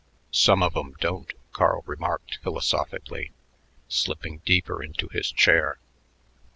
"Some of 'em don't," Carl remarked philosophically, slipping deeper into his chair.